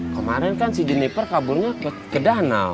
kemarin kan si jenniper kaburnya ke danau